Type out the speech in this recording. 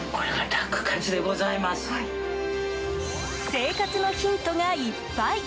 生活のヒントがいっぱい。